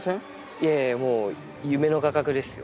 いやいや、もう、夢の画角ですよ。